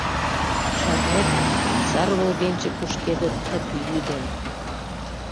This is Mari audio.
Шарнет, сар волгенче Кушкеде тып йӱдым?